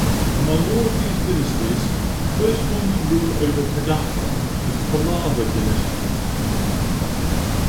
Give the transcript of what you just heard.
Among all of these dynasties, first one to rule over Kadapa was Pallava dynasty.